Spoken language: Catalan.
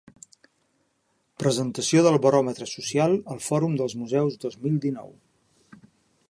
Presentació del Baròmetre Social al Fòrum dels Museus dos mil dinou.